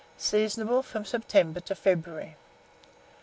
Seasonable from September to February.